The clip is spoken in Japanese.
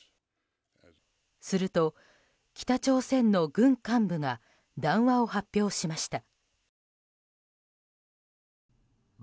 すると、北朝鮮の軍幹部が談話を発表しました。